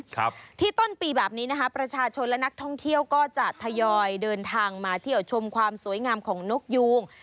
ครับที่ต้นปีแบบนี้นะคะประชาชนและนักท่องเที่ยวก็จะทยอยเดินทางมาเที่ยวชมความสวยงามของนกยูง